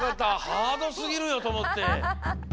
ハードすぎるよとおもって。